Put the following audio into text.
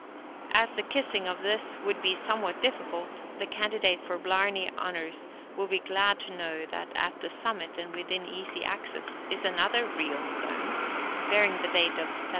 As the kissing of this would be somewhat difficult, the candidate for Blarney honors will be glad to know that at the summit, and within easy access, is another real stone, bearing the date of 1703.